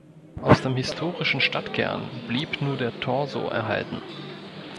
Aus dem historischen Stadtkern blieb nur der Torso erhalten.